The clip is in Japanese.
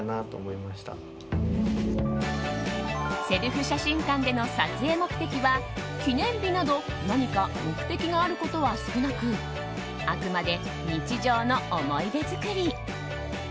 セルフ写真館での撮影目的は記念日など何か目的があることは少なくあくまで日常の思い出作り。